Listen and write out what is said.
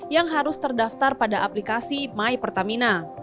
yang harus terdaftar pada aplikasi mypertamina